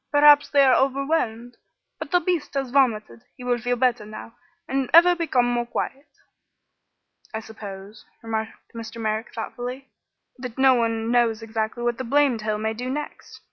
Perhaps they are overwhelmed. But the beast has vomited; he will feel better now, and ever become more quiet." "I suppose," remarked Mr. Merrick, thoughtfully, "that no one knows exactly what the blamed hill may do next.